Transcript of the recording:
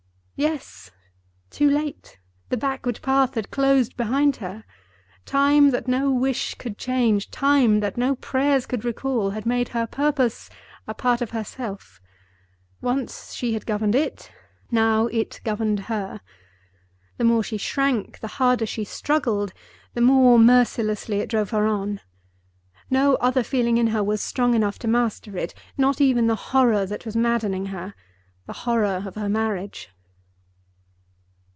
Yes! too late. The backward path had closed behind her. Time that no wish could change, Time that no prayers could recall, had made her purpose a part of herself: once she had governed it; now it governed her. The more she shrank, the harder she struggled, the more mercilessly it drove her on. No other feeling in her was strong enough to master it—not even the horror that was maddening her—the horror of her marriage.